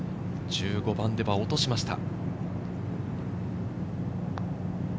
１５番では落としました。